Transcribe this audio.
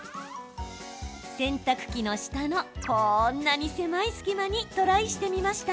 洗濯機の下の、こんなに狭い隙間にトライしてみました。